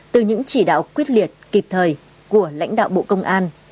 từ những chỉ đạo quyết liệt kịp thời của lãnh đạo bộ công an